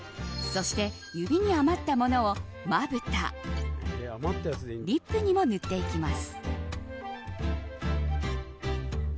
そして、指に余ったものをまぶた、リップにも塗っていきます。